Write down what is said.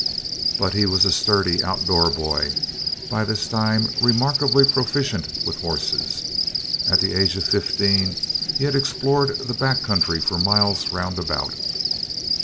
But he was a sturdy, outdoor boy, by this time remarkably proficient with horses. At the age of fifteen he had explored the back country for miles roundabout.